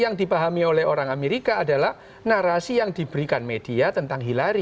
yang dipahami oleh orang amerika adalah narasi yang diberikan media tentang hillary